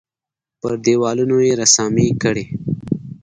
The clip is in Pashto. پر دېوالونو یې رسامۍ کړي.